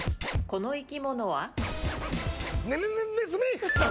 この生き物は？